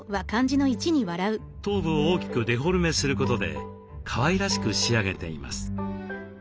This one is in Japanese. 頭部を大きくデフォルメすることでかわいらしく仕上げています。